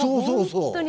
そうそう。